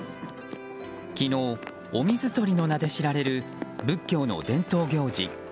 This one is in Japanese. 昨日、お水取りの名で知られる仏教の伝統行事